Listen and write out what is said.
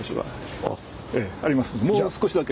もう少しだけ。